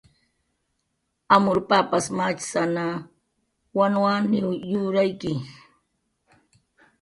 Amur papas machsana, wanwaniw yuryani.